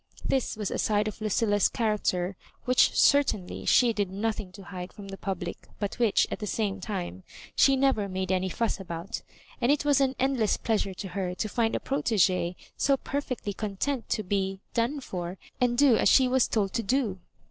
This was a side of Lucilla's character which certainly she did nothing to hide from the public, but which, at the same time, she never made any fuss about; and it was an endless pleasure to her to find a proUg6e so perfectly content to be " done for," and do as she was t(^d to do.